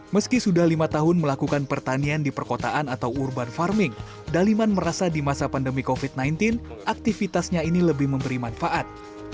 meski sudah lima tahun melakukan pertanian di perkotaan atau urban farming daliman merasa di masa pandemi covid sembilan belas aktivitasnya ini lebih memberi manfaat